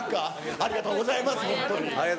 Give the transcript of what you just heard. ありがとうございます。